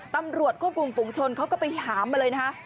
ตำรวจควบคุมฝุงชนเขาก็ไปหามาเลยนะฮะ